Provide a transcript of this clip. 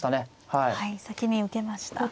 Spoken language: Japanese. はい先に受けました。